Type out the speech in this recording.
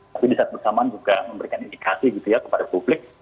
tapi di saat bersamaan juga memberikan indikasi gitu ya kepada publik